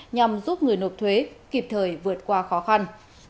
nhằm giúp người nộp thuế kịp thời vượt qua khó khăn